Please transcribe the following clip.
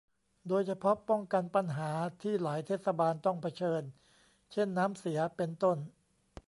โดยเฉพาะป้องกันปัญหาที่หลายเทศบาลต้องเผชิญ เช่น น้ำเสีย เป็นต้น